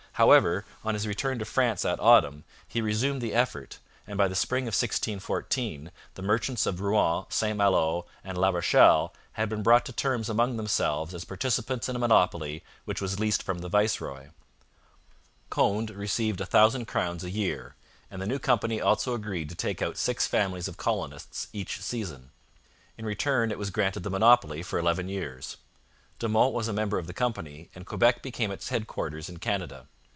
However, on his return to France that autumn, he resumed the effort, and by the spring of 1614. the merchants of Rouen, St Malo, and La Rochelle had been brought to terms among themselves as participants in a monopoly which was leased from the viceroy. Conde received a thousand crowns a year, and the new company also agreed to take out six families of colonists each season. In return it was granted the monopoly for eleven years. De Monts was a member of the company and Quebec became its headquarters in Canada.